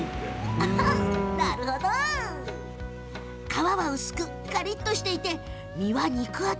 皮は薄くカリっとしていて身は肉厚。